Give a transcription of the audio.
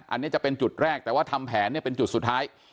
อันนี้จะเป็นจุดแรกแต่ว่าทำแผนเนี่ยเป็นจุดสุดท้าย